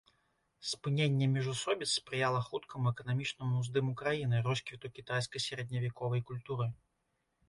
Спыненне міжусобіц спрыяла хуткаму эканамічнаму ўздыму краіны, росквіту кітайскай сярэдневяковай культуры.